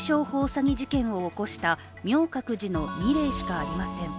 詐欺事件を起こした明覚寺の２例しかありません。